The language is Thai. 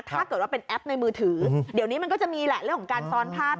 ถ้าเกิดว่าเป็นแอปในมือถือเดี๋ยวนี้มันก็จะมีแหละเรื่องของการซ้อนภาพ